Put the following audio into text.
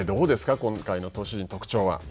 今回の投手陣の特徴は。